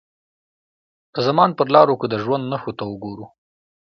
د زمان پر لارو که د ژوند نښو ته وګورو.